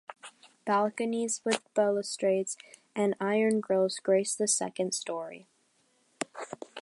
Balconies with balustrades and iron grills grace the second story.